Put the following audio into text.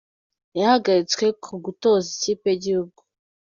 Yahagaritswe ku gutoza ikipe y’igihugu